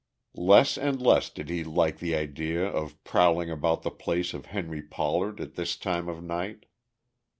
Less and less did he like the idea of prowling about the place of Henry Pollard at this time of night.